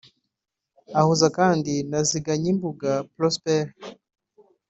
Ahuza kandi na Ziganyimbuga Prosper